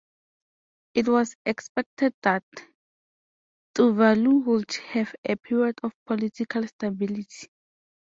It was expected that Tuvalu would have a period of political stability.